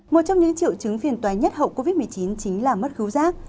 một trong những triệu chứng phiền toán nhất hậu covid một mươi chín chính là mất khíu giác